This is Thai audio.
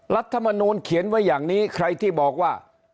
รัฐมนูลเขียนไว้อย่างนี้ใครที่บอกว่า